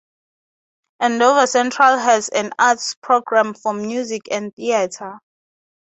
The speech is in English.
Andover Central has an arts program for music and theatre.